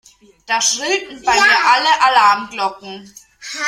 Da schrillten bei mir alle Alarmglocken.